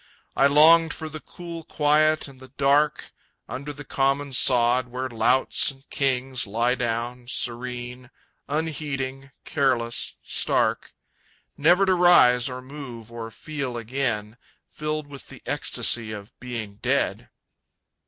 I longed for the cool quiet and the dark, Under the common sod where louts and kings Lie down, serene, unheeding, careless, stark, Never to rise or move or feel again, Filled with the ecstasy of being dead....